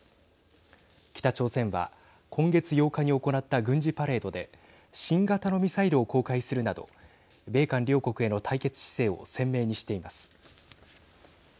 北朝鮮は今月８日に行った軍事パレードで新型のミサイルを公開するなど米韓両国への対決姿勢を鮮明にしています。